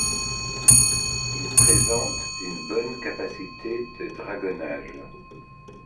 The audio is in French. Il présente une bonne capacité de drageonnage.